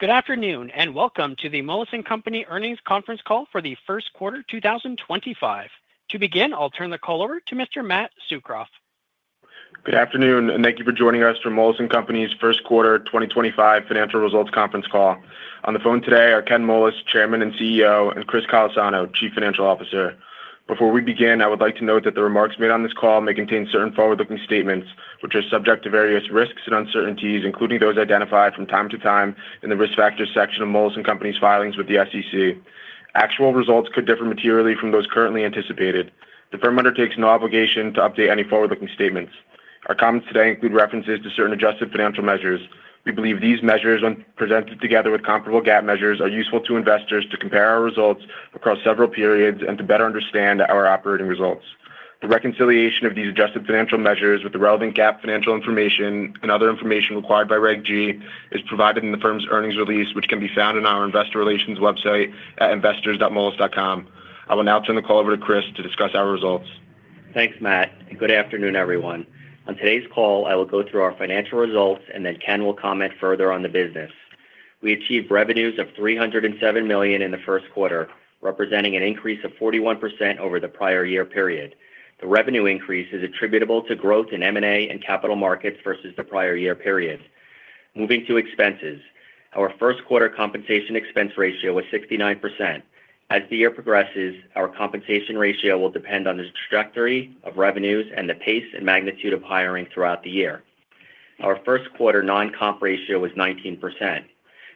Good afternoon and welcome to the Moelis & Company Earnings Conference Call for the first quarter 2025. To begin, I'll turn the call over to Mr. Matt Tsukroff. Good afternoon and thank you for joining us for Moelis & Company's first quarter 2025 financial results conference call. On the phone today are Ken Moelis, Chairman and CEO, and Chris Callesano, Chief Financial Officer. Before we begin, I would like to note that the remarks made on this call may contain certain forward-looking statements, which are subject to various risks and uncertainties, including those identified from time to time in the risk factors section of Moelis & Company's filings with the SEC. Actual results could differ materially from those currently anticipated. The firm undertakes no obligation to update any forward-looking statements. Our comments today include references to certain adjusted financial measures. We believe these measures, when presented together with comparable GAAP measures, are useful to investors to compare our results across several periods and to better understand our operating results. The reconciliation of these adjusted financial measures with the relevant GAAP financial information and other information required by Reg G is provided in the firm's earnings release, which can be found on our investor relations website at investors.moelis.com. I will now turn the call over to Chris to discuss our results. Thanks, Matt, and good afternoon, everyone. On today's call, I will go through our financial results, and then Ken will comment further on the business. We achieved revenues of $307 million in the first quarter, representing an increase of 41% over the prior year period. The revenue increase is attributable to growth in M&A and capital markets versus the prior year period. Moving to expenses, our first quarter compensation expense ratio was 69%. As the year progresses, our compensation ratio will depend on the trajectory of revenues and the pace and magnitude of hiring throughout the year. Our first quarter non-comp ratio was 19%.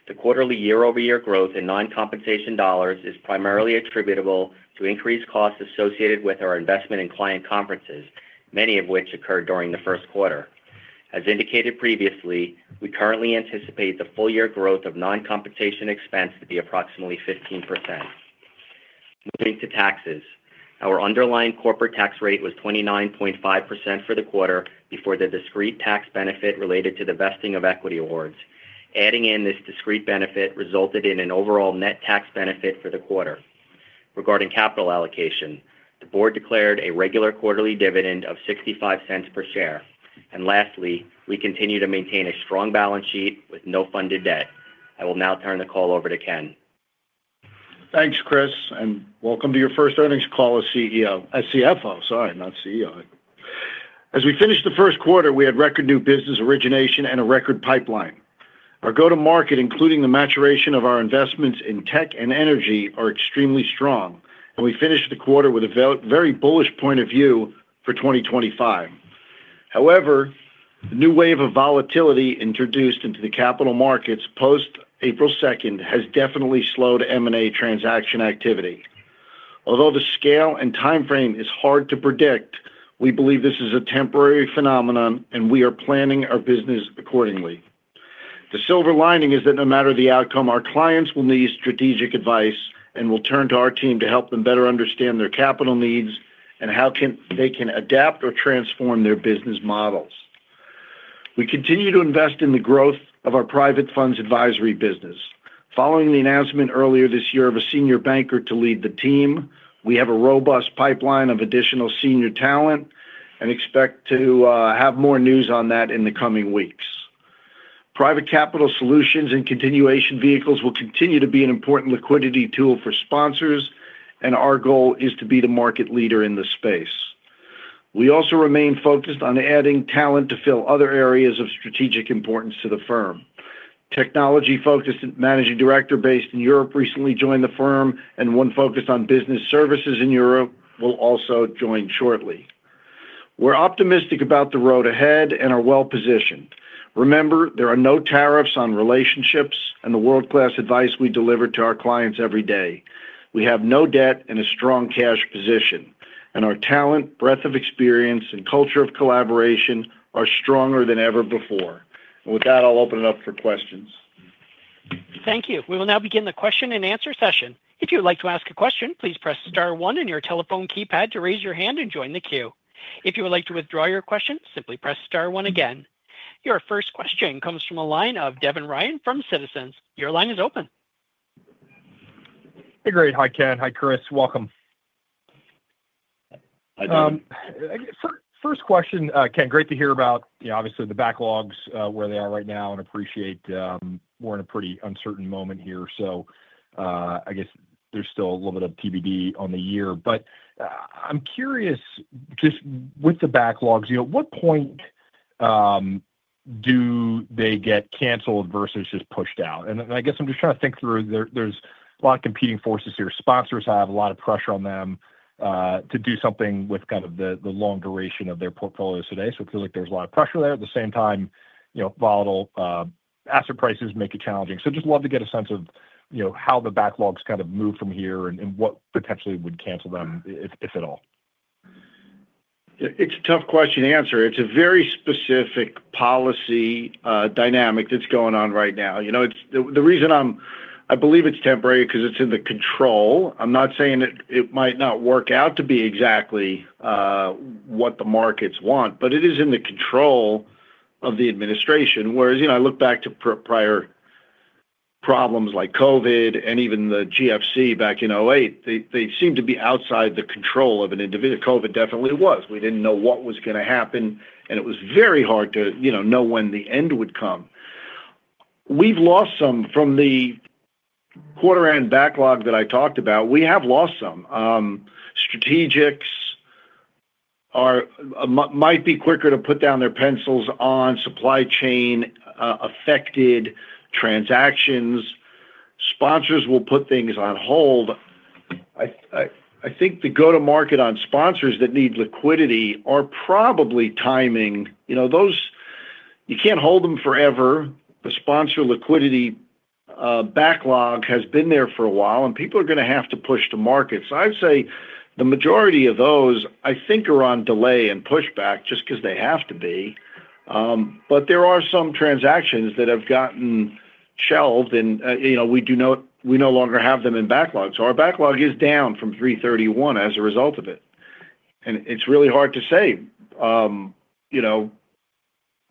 The quarterly year-over-year growth in non-compensation dollars is primarily attributable to increased costs associated with our investment in client conferences, many of which occurred during the first quarter. As indicated previously, we currently anticipate the full-year growth of non-compensation expense to be approximately 15%. Moving to taxes, our underlying corporate tax rate was 29.5% for the quarter before the discrete tax benefit related to the vesting of equity awards. Adding in this discrete benefit resulted in an overall net tax benefit for the quarter. Regarding capital allocation, the board declared a regular quarterly dividend of $0.65 per share. Lastly, we continue to maintain a strong balance sheet with no funded debt. I will now turn the call over to Ken. Thanks, Chris, and welcome to your first earnings call as CFO, sorry, not CEO. As we finished the first quarter, we had record new business origination and a record pipeline. Our go-to-market, including the maturation of our investments in tech and energy, are extremely strong, and we finished the quarter with a very bullish point of view for 2025. However, the new wave of volatility introduced into the capital markets post-April 2nd has definitely slowed M&A transaction activity. Although the scale and timeframe is hard to predict, we believe this is a temporary phenomenon, and we are planning our business accordingly. The silver lining is that no matter the outcome, our clients will need strategic advice and will turn to our team to help them better understand their capital needs and how they can adapt or transform their business models. We continue to invest in the growth of our Private Funds Advisory business. Following the announcement earlier this year of a senior banker to lead the team, we have a robust pipeline of additional senior talent and expect to have more news on that in the coming weeks. Private Capital Solutions and continuation vehicles will continue to be an important liquidity tool for sponsors, and our goal is to be the market leader in the space. We also remain focused on adding talent to fill other areas of strategic importance to the firm. A technology-focused managing director based in Europe recently joined the firm, and one focused on business services in Europe will also join shortly. We're optimistic about the road ahead and are well-positioned. Remember, there are no tariffs on relationships and the world-class advice we deliver to our clients every day. We have no debt and a strong cash position, and our talent, breadth of experience, and culture of collaboration are stronger than ever before. With that, I'll open it up for questions. Thank you. We will now begin the question and answer session. If you would like to ask a question, please press star one on your telephone keypad to raise your hand and join the queue. If you would like to withdraw your question, simply press star one again. Your first question comes from the line of Devin Ryan from Citizens. Your line is open. Hey, great. Hi, Ken. Hi, Chris. Welcome. First question, Ken, great to hear about, obviously, the backlogs, where they are right now, and appreciate we're in a pretty uncertain moment here. I guess there's still a little bit of TBD on the year. I'm curious, just with the backlogs, at what point do they get canceled versus just pushed out? I guess I'm just trying to think through. There's a lot of competing forces here. Sponsors have a lot of pressure on them to do something with kind of the long duration of their portfolios today. It feels like there's a lot of pressure there. At the same time, volatile asset prices make it challenging. I'd just love to get a sense of how the backlogs kind of move from here and what potentially would cancel them, if at all. It's a tough question to answer. It's a very specific policy dynamic that's going on right now. The reason I believe it's temporary is because it's in the control. I'm not saying it might not work out to be exactly what the markets want, but it is in the control of the administration. Whereas I look back to prior problems like COVID and even the GFC back in 2008, they seemed to be outside the control of an individual. COVID definitely was. We didn't know what was going to happen, and it was very hard to know when the end would come. We've lost some from the quarter-end backlog that I talked about. We have lost some. Strategics might be quicker to put down their pencils on supply chain-affected transactions. Sponsors will put things on hold. I think the go-to-market on sponsors that need liquidity are probably timing. You can't hold them forever. The sponsor liquidity backlog has been there for a while, and people are going to have to push to market. I'd say the majority of those, I think, are on delay and pushback just because they have to be. There are some transactions that have gotten shelved, and we no longer have them in backlog. Our backlog is down from $331 as a result of it. It's really hard to say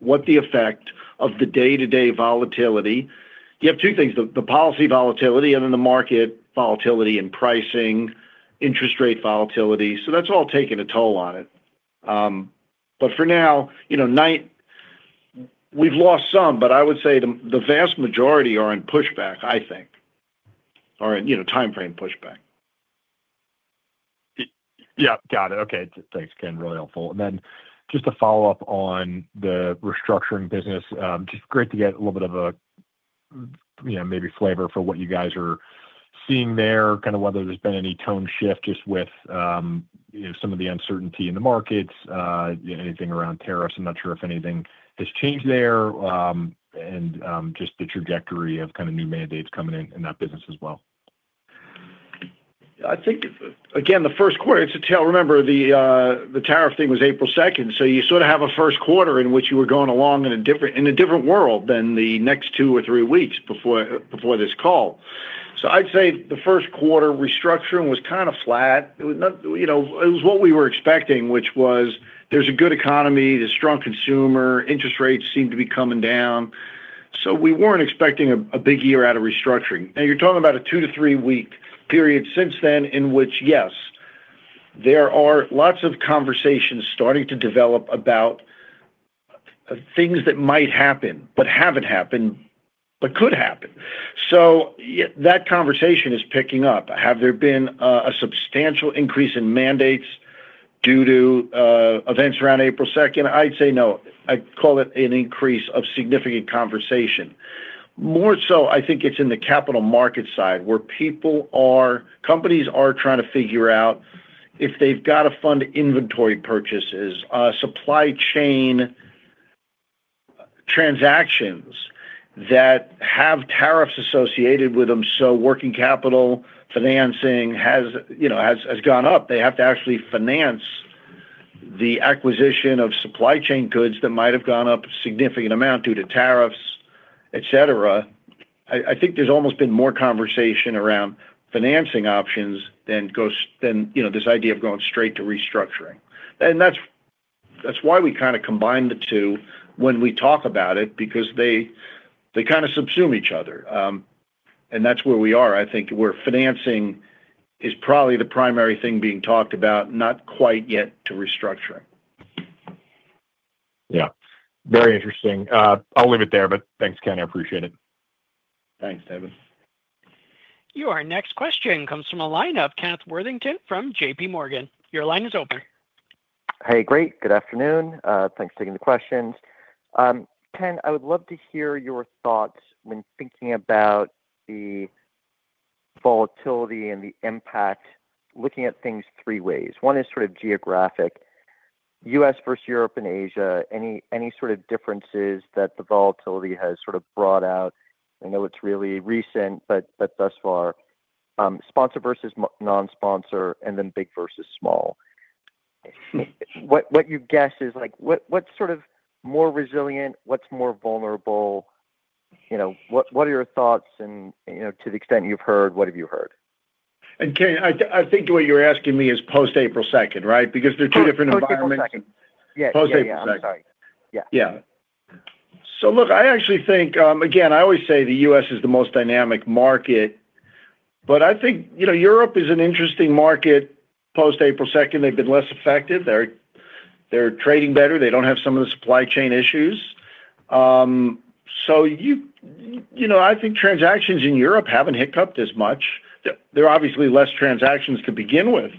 what the effect of the day-to-day volatility is. You have two things: the policy volatility and then the market volatility and pricing, interest rate volatility. That's all taking a toll on it. For now, we've lost some, but I would say the vast majority are in pushback, I think, or in timeframe pushback. Yeah, got it. Okay. Thanks, Ken. Really helpful. Just to follow up on the restructuring business, just great to get a little bit of a maybe flavor for what you guys are seeing there, kind of whether there's been any tone shift just with some of the uncertainty in the markets, anything around tariffs. I'm not sure if anything has changed there and just the trajectory of kind of new mandates coming in that business as well. I think, again, the first quarter, it's a tell. Remember, the tariff thing was April 2nd. You sort of have a first quarter in which you were going along in a different world than the next two or three weeks before this call. I'd say the first quarter restructuring was kind of flat. It was what we were expecting, which was there's a good economy, there's strong consumer, interest rates seem to be coming down. We weren't expecting a big year out of restructuring. Now, you're talking about a two to three-week period since then in which, yes, there are lots of conversations starting to develop about things that might happen but haven't happened but could happen. That conversation is picking up. Have there been a substantial increase in mandates due to events around April 2nd? I'd say no. I'd call it an increase of significant conversation. More so, I think it's in the capital markets side where companies are trying to figure out if they've got to fund inventory purchases, supply chain transactions that have tariffs associated with them. Working capital financing has gone up. They have to actually finance the acquisition of supply chain goods that might have gone up a significant amount due to tariffs, etc. I think there's almost been more conversation around financing options than this idea of going straight to restructuring. That is why we kind of combine the two when we talk about it because they kind of subsume each other. That is where we are. I think where financing is probably the primary thing being talked about, not quite yet to restructuring. Yeah. Very interesting. I'll leave it there, but thanks, Ken. I appreciate it. Thanks, Devin. Your next question comes from a line of Kenneth Worthington from J.P. Morgan. Your line is open. Hey, great. Good afternoon. Thanks for taking the questions. Ken, I would love to hear your thoughts when thinking about the volatility and the impact looking at things three ways. One is sort of geographic: U.S. versus Europe and Asia. Any sort of differences that the volatility has sort of brought out? I know it's really recent, but thus far, sponsor versus non-sponsor, and then big versus small. What your guess is? What's sort of more resilient? What's more vulnerable? What are your thoughts? To the extent you've heard, what have you heard? Ken, I think what you're asking me is post-April 2nd, right? Because there's two different environments. Post-April 2nd. Yeah. Post-April 2nd. Yeah. Sorry. Yeah. Yeah. Look, I actually think, again, I always say the U.S. is the most dynamic market, but I think Europe is an interesting market post-April 2. They've been less effective. They're trading better. They don't have some of the supply chain issues. I think transactions in Europe haven't hiccupped as much. There are obviously less transactions to begin with,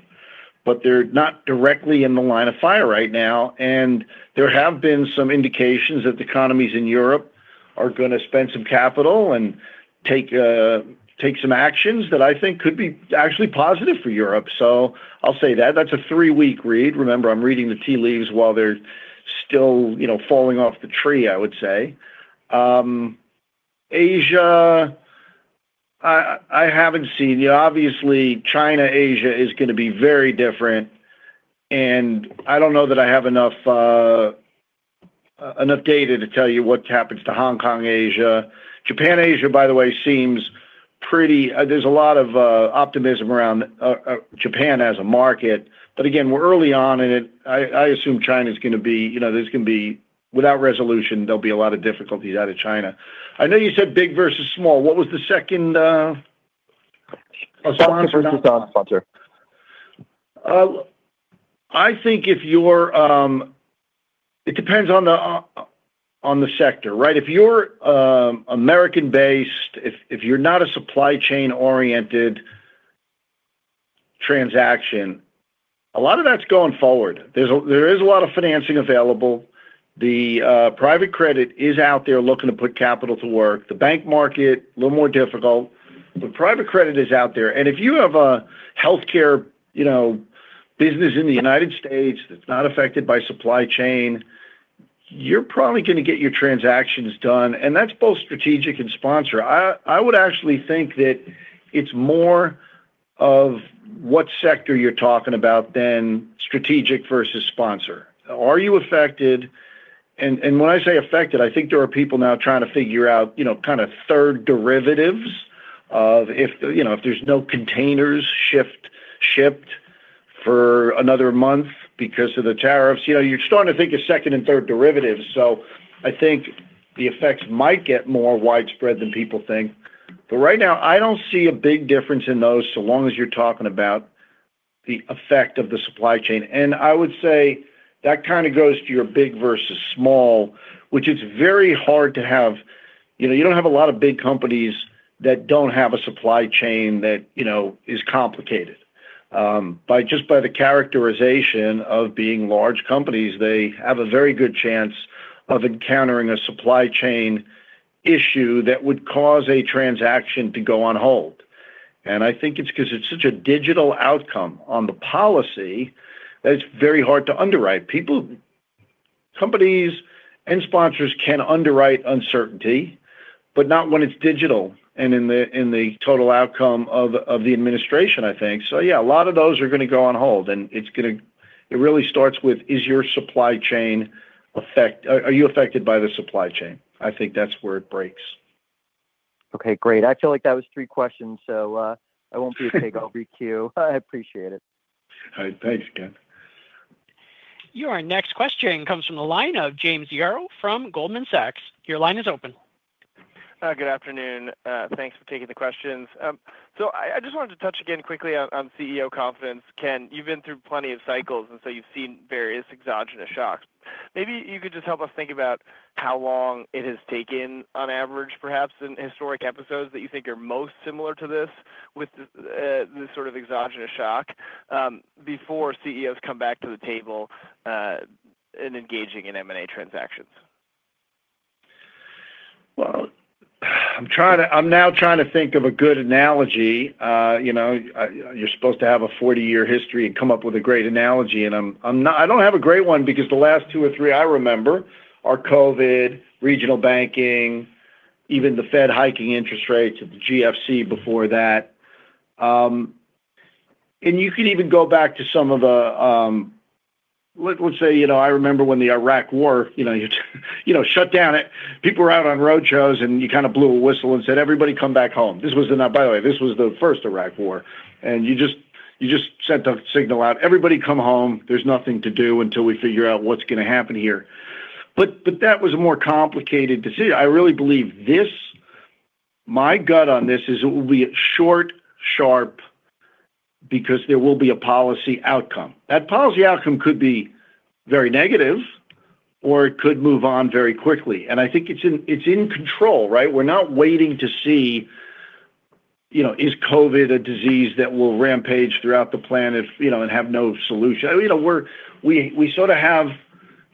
but they're not directly in the line of fire right now. There have been some indications that the economies in Europe are going to spend some capital and take some actions that I think could be actually positive for Europe. I'll say that. That's a three-week read. Remember, I'm reading the tea leaves while they're still falling off the tree, I would say. Asia, I haven't seen. Obviously, China, Asia is going to be very different. I do not know that I have enough data to tell you what happens to Hong Kong, Asia. Japan, Asia, by the way, seems pretty—there is a lot of optimism around Japan as a market. Again, we are early on, and I assume China is going to be—there is going to be, without resolution, there will be a lot of difficulties out of China. I know you said big versus small. What was the second? Sponsor versus non-sponsor. I think if you're—it depends on the sector, right? If you're American-based, if you're not a supply chain-oriented transaction, a lot of that's going forward. There is a lot of financing available. The private credit is out there looking to put capital to work. The bank market, a little more difficult. The private credit is out there. If you have a healthcare business in the United States that's not affected by supply chain, you're probably going to get your transactions done. That's both strategic and sponsor. I would actually think that it's more of what sector you're talking about than strategic versus sponsor. Are you affected? When I say affected, I think there are people now trying to figure out kind of third derivatives of if there's no containers shipped for another month because of the tariffs. You're starting to think of second and third derivatives. I think the effects might get more widespread than people think. Right now, I do not see a big difference in those so long as you are talking about the effect of the supply chain. I would say that kind of goes to your big versus small, which, it is very hard to have—you do not have a lot of big companies that do not have a supply chain that is complicated. Just by the characterization of being large companies, they have a very good chance of encountering a supply chain issue that would cause a transaction to go on hold. I think it is because it is such a digital outcome on the policy that it is very hard to underwrite. People, companies, and sponsors can underwrite uncertainty, but not when it is digital and in the total outcome of the administration, I think. Yeah, a lot of those are going to go on hold. It really starts with, is your supply chain affected? Are you affected by the supply chain? I think that's where it breaks. Okay. Great. I feel like that was three questions, so I won't be as big of a queue. I appreciate it. All right. Thanks, Ken. Your next question comes from the line of James Yaro from Goldman Sachs. Your line is open. Good afternoon. Thanks for taking the questions. I just wanted to touch again quickly on CEO confidence. Ken, you've been through plenty of cycles, and you have seen various exogenous shocks. Maybe you could just help us think about how long it has taken, on average, perhaps, in historic episodes that you think are most similar to this with this sort of exogenous shock before CEOs come back to the table and engaging in M&A transactions. I am now trying to think of a good analogy. You are supposed to have a 40-year history and come up with a great analogy. I do not have a great one because the last two or three I remember are COVID, regional banking, even the Fed hiking interest rates of the GFC before that. You could even go back to some of the—let us say I remember when the Iraq War shut down. People were out on road shows, and you kind of blew a whistle and said, "Everybody come back home." This was the—by the way, this was the first Iraq War. You just sent a signal out, "Everybody come home. There is nothing to do until we figure out what is going to happen here." That was a more complicated decision. I really believe this—my gut on this is it will be short, sharp, because there will be a policy outcome. That policy outcome could be very negative, or it could move on very quickly. I think it is in control, right? We are not waiting to see, is COVID a disease that will rampage throughout the planet and have no solution? We sort of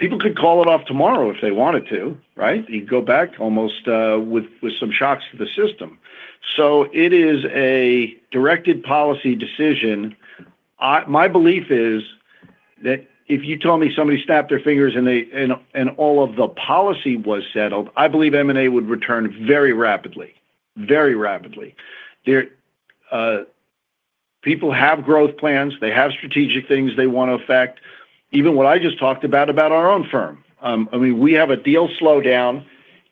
have—people could call it off tomorrow if they wanted to, right? You would go back almost with some shocks to the system. It is a directed policy decision. My belief is that if you tell me somebody snapped their fingers and all of the policy was settled, I believe M&A would return very rapidly, very rapidly. People have growth plans. They have strategic things they want to affect. Even what I just talked about, about our own firm. I mean, we have a deal slowdown,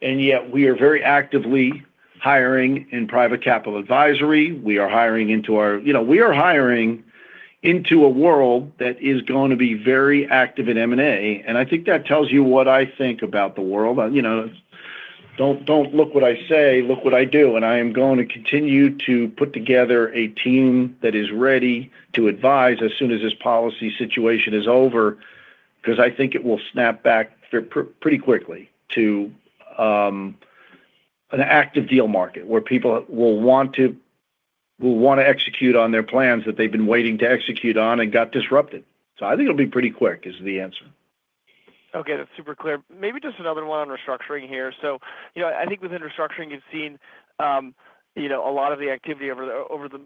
and yet we are very actively hiring in Private Capital Advisory. We are hiring into our—we are hiring into a world that is going to be very active in M&A. I think that tells you what I think about the world. Don't look what I say, look what I do. I am going to continue to put together a team that is ready to advise as soon as this policy situation is over because I think it will snap back pretty quickly to an active deal market where people will want to execute on their plans that they've been waiting to execute on and got disrupted. I think it'll be pretty quick is the answer. Okay. That's super clear. Maybe just another one on restructuring here. I think within restructuring, you've seen a lot of the activity over the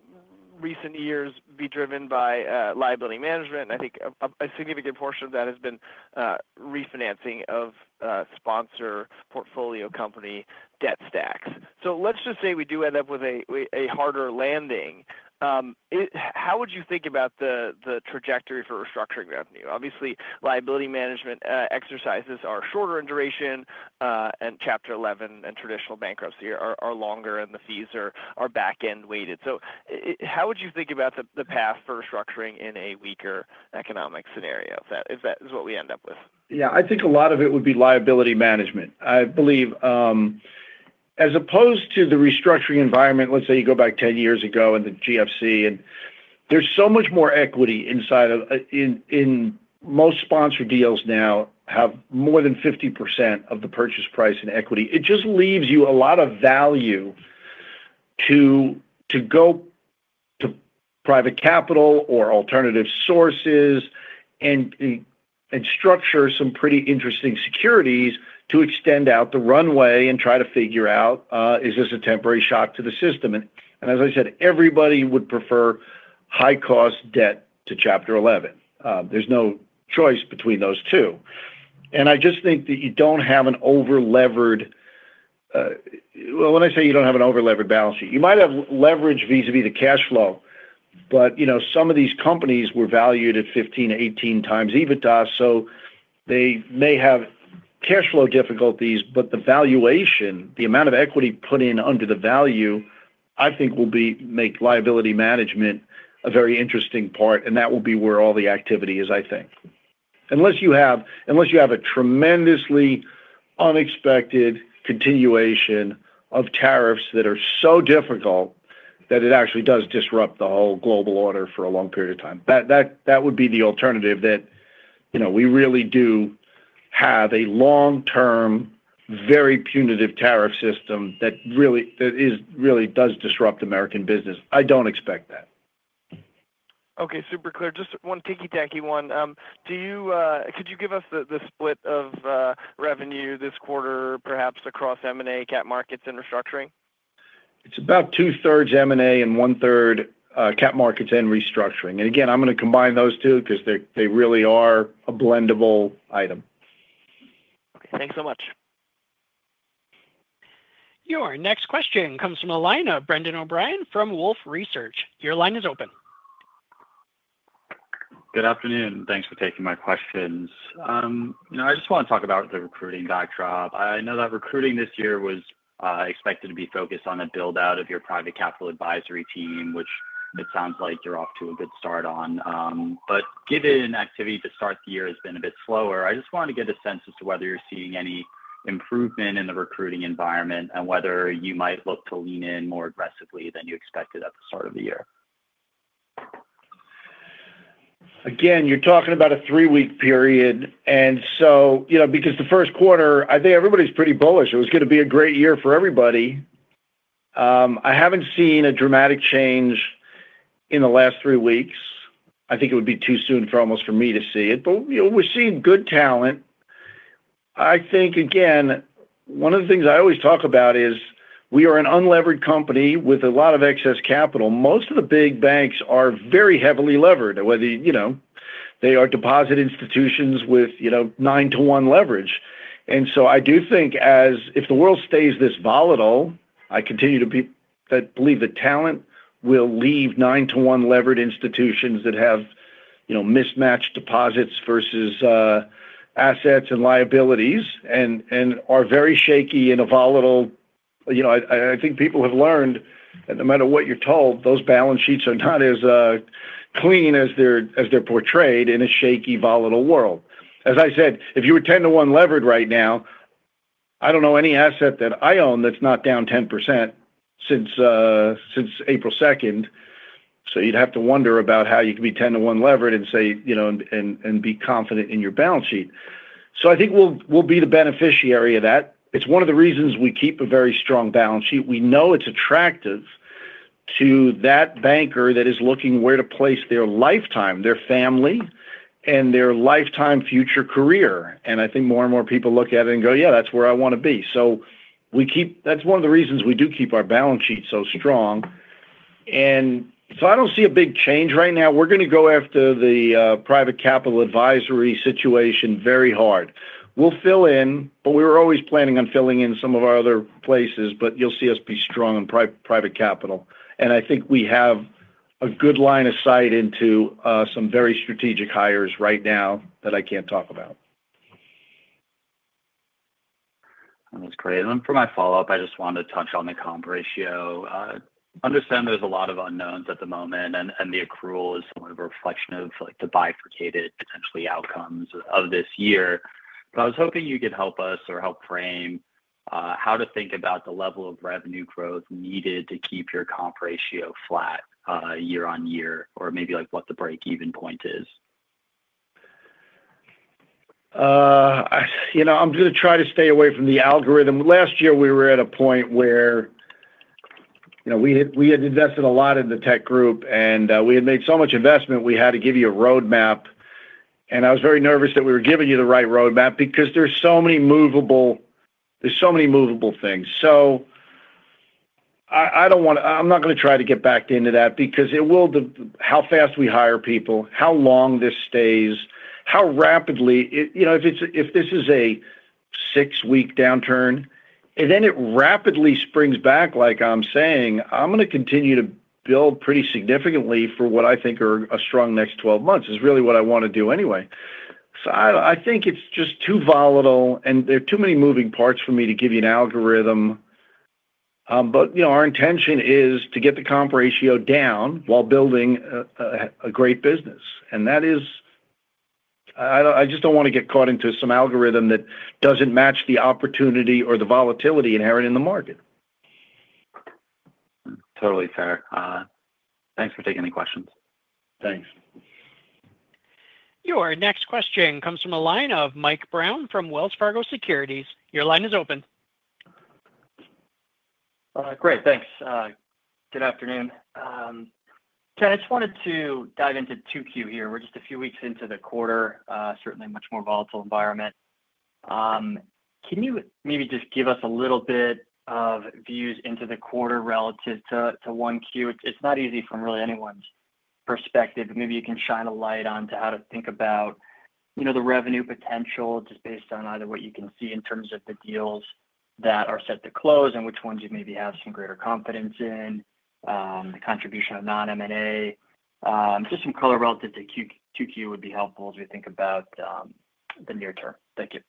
recent years be driven by liability management. I think a significant portion of that has been refinancing of sponsor portfolio company debt stacks. Let's just say we do end up with a harder landing. How would you think about the trajectory for restructuring revenue? Obviously, liability management exercises are shorter in duration, and Chapter 11 and traditional bankruptcy are longer, and the fees are back-end weighted. How would you think about the path for restructuring in a weaker economic scenario? If that is what we end up with. Yeah. I think a lot of it would be liability management. I believe as opposed to the restructuring environment, let's say you go back 10 years ago and the GFC, and there's so much more equity inside of—most sponsor deals now have more than 50% of the purchase price in equity. It just leaves you a lot of value to go to private capital or alternative sources and structure some pretty interesting securities to extend out the runway and try to figure out, is this a temporary shock to the system? As I said, everybody would prefer high-cost debt to Chapter 11. There's no choice between those two. I just think that you don't have an over-levered—when I say you don't have an over-levered balance sheet, you might have leverage vis-à-vis the cash flow, but some of these companies were valued at 15, 18 times EBITDA, so they may have cash flow difficulties, but the valuation, the amount of equity put in under the value, I think will make liability management a very interesting part. That will be where all the activity is, I think. Unless you have a tremendously unexpected continuation of tariffs that are so difficult that it actually does disrupt the whole global order for a long period of time. That would be the alternative that we really do have a long-term, very punitive tariff system that really does disrupt American business. I don't expect that. Okay. Super clear. Just one ticky-tacky one. Could you give us the split of revenue this quarter, perhaps across M&A, cap markets, and restructuring? It's about two-thirds M&A and one-third cap markets and restructuring. Again, I'm going to combine those two because they really are a blendable item. Okay. Thanks so much. Your next question comes from the line of Brendan O'Brien from Wolfe Research. Your line is open. Good afternoon. Thanks for taking my questions. I just want to talk about the recruiting backdrop. I know that recruiting this year was expected to be focused on a build-out of your Private Capital Advisory team, which it sounds like you're off to a good start on. Given activity to start the year has been a bit slower, I just wanted to get a sense as to whether you're seeing any improvement in the recruiting environment and whether you might look to lean in more aggressively than you expected at the start of the year. Again, you're talking about a three-week period. Because the first quarter, I think everybody's pretty bullish. It was going to be a great year for everybody. I haven't seen a dramatic change in the last three weeks. I think it would be too soon almost for me to see it. We're seeing good talent. I think, again, one of the things I always talk about is we are an unlevered company with a lot of excess capital. Most of the big banks are very heavily levered, whether they are deposit institutions with nine-to-one leverage. I do think if the world stays this volatile, I continue to believe that talent will leave nine-to-one levered institutions that have mismatched deposits versus assets and liabilities and are very shaky in a volatile world. I think people have learned that no matter what you're told, those balance sheets are not as clean as they're portrayed in a shaky, volatile world. As I said, if you were ten-to-one levered right now, I do not know any asset that I own that's not down 10% since April 2nd. You'd have to wonder about how you can be ten-to-one levered and be confident in your balance sheet. I think we'll be the beneficiary of that. It's one of the reasons we keep a very strong balance sheet. We know it's attractive to that banker that is looking where to place their lifetime, their family, and their lifetime future career. I think more and more people look at it and go, "Yeah, that's where I want to be." That is one of the reasons we do keep our balance sheet so strong. I don't see a big change right now. We're going to go after the Private Capital Advisory situation very hard. We'll fill in, but we were always planning on filling in some of our other places, but you'll see us be strong in private capital. I think we have a good line of sight into some very strategic hires right now that I can't talk about. That's great. For my follow-up, I just wanted to touch on the comp ratio. I understand there's a lot of unknowns at the moment, and the accrual is sort of a reflection of the bifurcated potentially outcomes of this year. I was hoping you could help us or help frame how to think about the level of revenue growth needed to keep your comp ratio flat year on year or maybe what the break-even point is. I'm going to try to stay away from the algorithm. Last year, we were at a point where we had invested a lot in the tech group, and we had made so much investment, we had to give you a roadmap. I was very nervous that we were giving you the right roadmap because there are so many movable—there are so many movable things. I do not want to—I am not going to try to get back into that because it will—how fast we hire people, how long this stays, how rapidly—if this is a six-week downturn, and then it rapidly springs back, like I am saying, I am going to continue to build pretty significantly for what I think are a strong next 12 months is really what I want to do anyway. I think it's just too volatile, and there are too many moving parts for me to give you an algorithm. Our intention is to get the comp ratio down while building a great business. I just don't want to get caught into some algorithm that doesn't match the opportunity or the volatility inherent in the market. Totally fair. Thanks for taking the questions. Thanks. Your next question comes from the line of Mike Brown from Wells Fargo Securities. Your line is open. All right. Great. Thanks. Good afternoon. Ken, I just wanted to dive into 2Q here. We're just a few weeks into the quarter, certainly a much more volatile environment. Can you maybe just give us a little bit of views into the quarter relative to 1Q? It's not easy from really anyone's perspective. Maybe you can shine a light onto how to think about the revenue potential just based on either what you can see in terms of the deals that are set to close and which ones you maybe have some greater confidence in, the contribution of non-M&A. Just some color relative to 2Q would be helpful as we think about the near term. Thank you.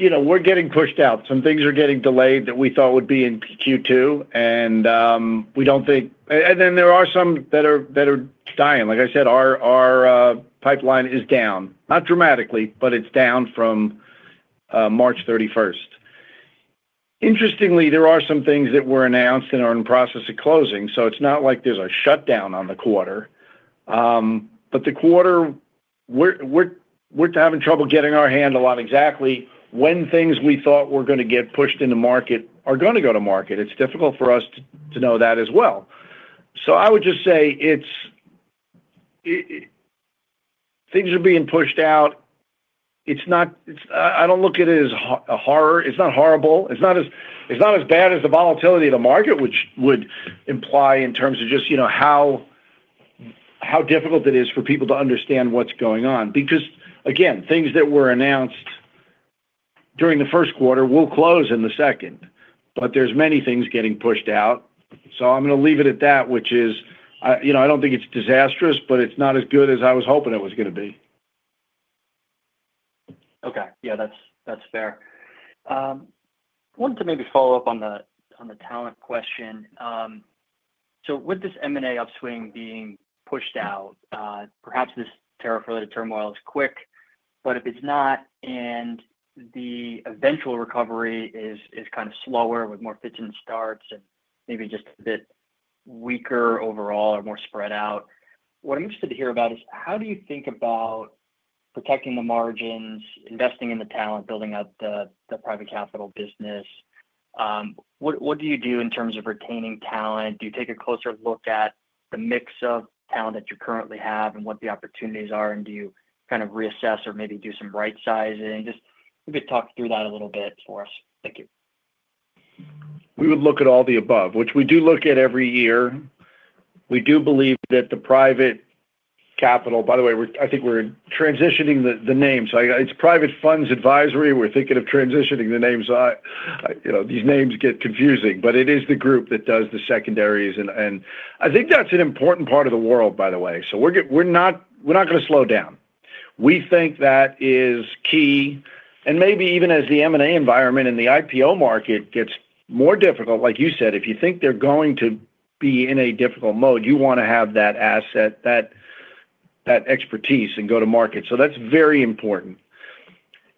We're getting pushed out. Some things are getting delayed that we thought would be in Q2, and we don't think—and then there are some that are dying. Like I said, our pipeline is down. Not dramatically, but it's down from March 31st. Interestingly, there are some things that were announced and are in the process of closing. It's not like there's a shutdown on the quarter. The quarter, we're having trouble getting our handle on exactly when things we thought were going to get pushed into market are going to go to market. It's difficult for us to know that as well. I would just say things are being pushed out. I don't look at it as a horror. It's not horrible. It's not as bad as the volatility of the market, which would imply in terms of just how difficult it is for people to understand what's going on. Because, again, things that were announced during the first quarter will close in the second. There are many things getting pushed out. I'm going to leave it at that, which is I don't think it's disastrous, but it's not as good as I was hoping it was going to be. Okay. Yeah, that's fair. I wanted to maybe follow up on the talent question. With this M&A upswing being pushed out, perhaps this tariff-related turmoil is quick, but if it's not and the eventual recovery is kind of slower with more fits and starts and maybe just a bit weaker overall or more spread out, what I'm interested to hear about is how do you think about protecting the margins, investing in the talent, building out the Private Capital business? What do you do in terms of retaining talent? Do you take a closer look at the mix of talent that you currently have and what the opportunities are, and do you kind of reassess or maybe do some right-sizing? Just maybe talk through that a little bit for us. Thank you. We would look at all the above, which we do look at every year. We do believe that the private capital—by the way, I think we're transitioning the name. So it's Private Funds Advisory. We're thinking of transitioning the names. These names get confusing, but it is the group that does the secondaries. I think that's an important part of the world, by the way. We're not going to slow down. We think that is key. Maybe even as the M&A environment and the IPO market gets more difficult, like you said, if you think they're going to be in a difficult mode, you want to have that asset, that expertise, and go to market. That's very important.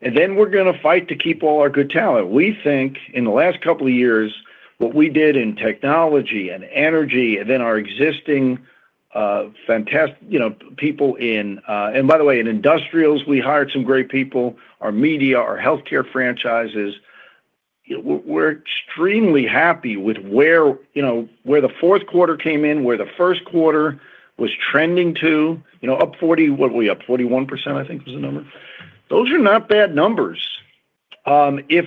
We're going to fight to keep all our good talent. We think in the last couple of years, what we did in technology and energy and then our existing people in—and by the way, in industrials, we hired some great people, our media, our healthcare franchises. We're extremely happy with where the fourth quarter came in, where the first quarter was trending to, up 40—what were we? Up 41%, I think was the number. Those are not bad numbers if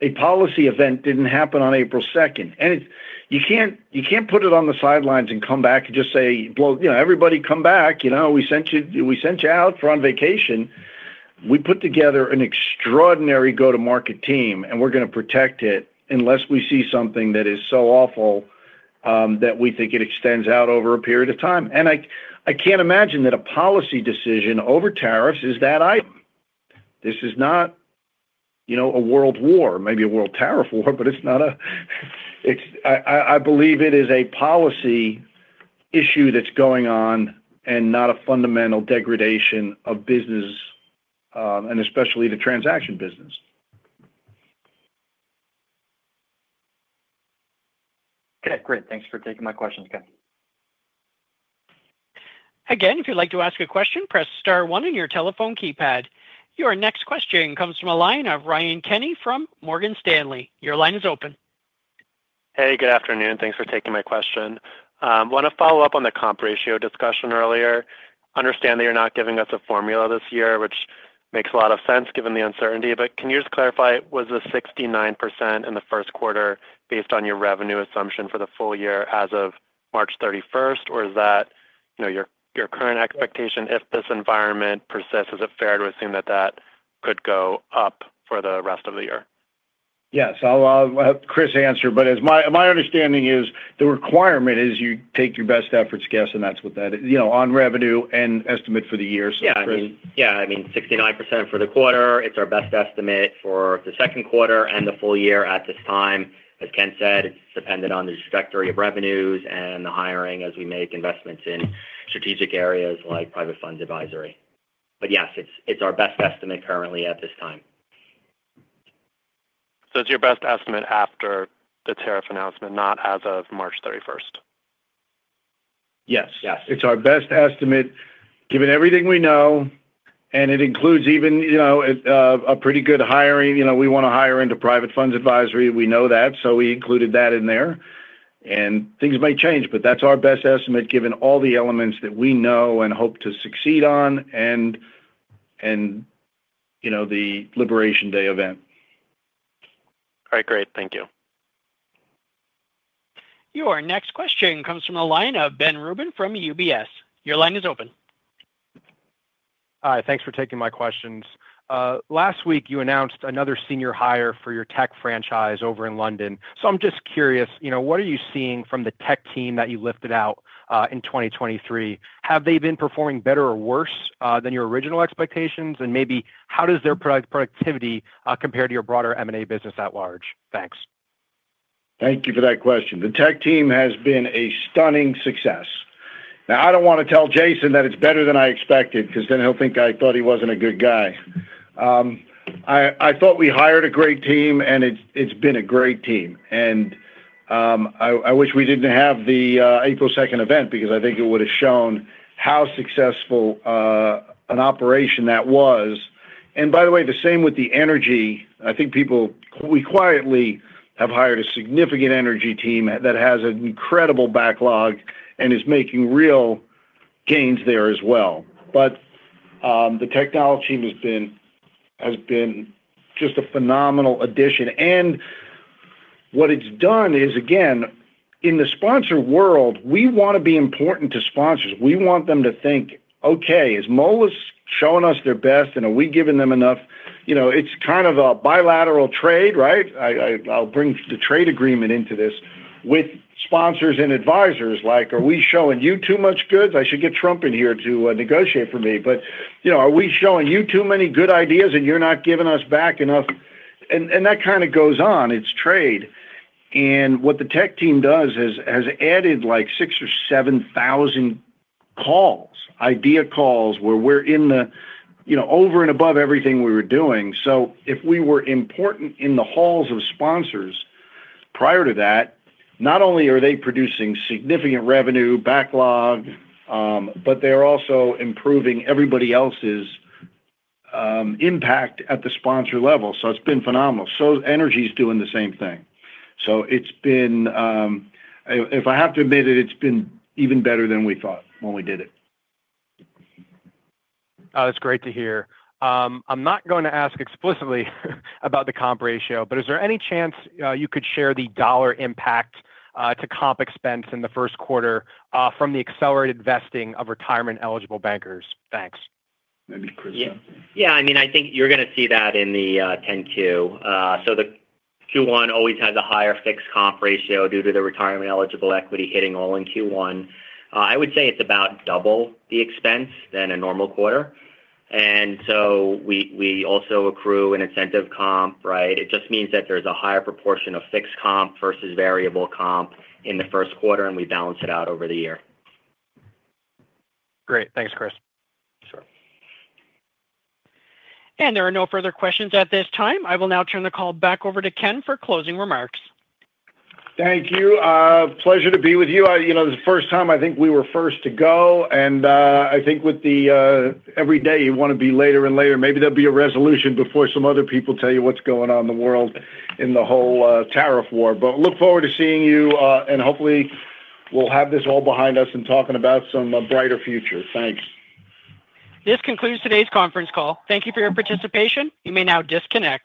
a policy event did not happen on April 2. You cannot put it on the sidelines and come back and just say, "Everybody, come back. We sent you out for on vacation." We put together an extraordinary go-to-market team, and we're going to protect it unless we see something that is so awful that we think it extends out over a period of time. I cannot imagine that a policy decision over tariffs is that item. This is not a world war, maybe a world tariff war, but it's not a—I believe it is a policy issue that's going on and not a fundamental degradation of business, and especially the transaction business. Okay. Great. Thanks for taking my questions, Ken. Again, if you'd like to ask a question, press star one on your telephone keypad. Your next question comes from the line of of Ryan Kenny from Morgan Stanley. Your line is open. Hey, good afternoon. Thanks for taking my question. Want to follow up on the comp ratio discussion earlier. Understand that you're not giving us a formula this year, which makes a lot of sense given the uncertainty. Can you just clarify, was the 69% in the first quarter based on your revenue assumption for the full year as of March 31, or is that your current expectation? If this environment persists, is it fair to assume that that could go up for the rest of the year? Yeah. I will let Chris answer. My understanding is the requirement is you take your best efforts guess, and that is what that is on revenue and estimate for the year. Chris. Yeah. I mean, 69% for the quarter, it's our best estimate for the second quarter and the full year at this time. As Ken said, it's dependent on the trajectory of revenues and the hiring as we make investments in strategic areas like Private Funds Advisory. Yes, it's our best estimate currently at this time. It's your best estimate after the tariff announcement, not as of March 31st? Yes. It's our best estimate given everything we know, and it includes even a pretty good hiring. We want to hire into Private Funds Advisory. We know that, so we included that in there. Things might change, but that's our best estimate given all the elements that we know and hope to succeed on and the Liberation Day event. All right. Great. Thank you. Your next question comes from Ben Rubin from UBS. Your line is open. Hi. Thanks for taking my questions. Last week, you announced another senior hire for your tech franchise over in London. I am just curious, what are you seeing from the tech team that you lifted out in 2023? Have they been performing better or worse than your original expectations? Maybe how does their productivity compare to your broader M&A business at large? Thanks. Thank you for that question. The tech team has been a stunning success. Now, I do not want to tell Jason that it is better than I expected because then he will think I thought he was not a good guy. I thought we hired a great team, and it has been a great team. I wish we did not have the April 2nd event because I think it would have shown how successful an operation that was. By the way, the same with the energy. I think we quietly have hired a significant energy team that has an incredible backlog and is making real gains there as well. The technology team has been just a phenomenal addition. What it has done is, again, in the sponsor world, we want to be important to sponsors. We want them to think, "Okay, is Moelis showing us their best, and are we giving them enough?" It's kind of a bilateral trade, right? I'll bring the trade agreement into this with sponsors and advisors. Are we showing you too much goods? I should get Trump in here to negotiate for me. Are we showing you too many good ideas, and you're not giving us back enough? That kind of goes on. It's trade. What the tech team does has added like six or seven thousand calls, idea calls where we're in the over and above everything we were doing. If we were important in the halls of sponsors prior to that, not only are they producing significant revenue, backlog, but they're also improving everybody else's impact at the sponsor level. It's been phenomenal. Energy is doing the same thing. If I have to admit it, it's been even better than we thought when we did it. Oh, that's great to hear. I'm not going to ask explicitly about the comp ratio, but is there any chance you could share the dollar impact to comp expense in the first quarter from the accelerated vesting of retirement-eligible bankers? Thanks. Maybe Chris. Yeah. I mean, I think you're going to see that in the Q2. The Q1 always has a higher fixed comp ratio due to the retirement-eligible equity hitting all in Q1. I would say it's about double the expense than a normal quarter. We also accrue an incentive comp, right? It just means that there's a higher proportion of fixed comp versus variable comp in the first quarter, and we balance it out over the year. Great. Thanks, Chris. Sure. There are no further questions at this time. I will now turn the call back over to Ken for closing remarks. Thank you. Pleasure to be with you. This is the first time I think we were first to go. I think with every day, you want to be later and later. Maybe there will be a resolution before some other people tell you what's going on in the world in the whole tariff war. I look forward to seeing you, and hopefully, we'll have this all behind us and be talking about some brighter futures. Thanks. This concludes today's conference call. Thank you for your participation. You may now disconnect.